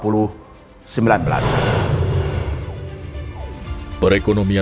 dan syarikat yang mulia